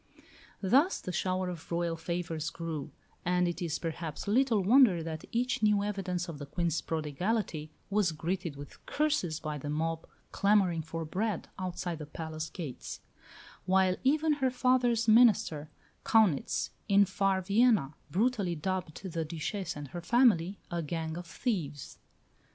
Thus the shower of Royal favours grew; and it is perhaps little wonder that each new evidence of the Queen's prodigality was greeted with curses by the mob clamouring for bread outside the palace gates; while even her father's minister, Kaunitz, in far Vienna, brutally dubbed the Duchesse and her family, "a gang of thieves."